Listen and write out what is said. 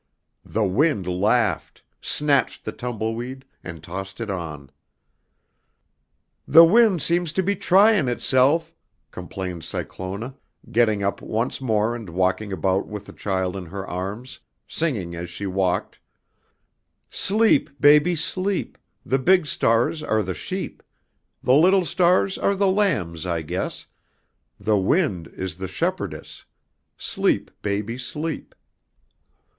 The wind laughed, snatched the tumbleweed and tossed it on. "The wind seems to be tryin' itself," complained Cyclona, getting up once more and walking about with the child in her arms, singing as she walked: "Sleep, baby, sleep, The big stars are the sheep, The little stars are the lambs, I guess, The wind is the shepherdess, Sleep, Baby, Sleep."